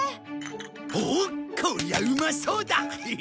おっこりゃうまそうだ！